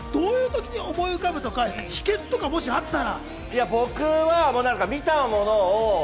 どういうときに思い浮かぶのか、秘訣とかあったら。